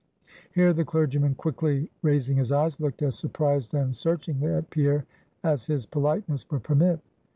Here the clergyman quickly raising his eyes, looked as surprised and searchingly at Pierre, as his politeness would permit.